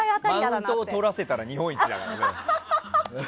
マウントを取らせたら日本一だからね。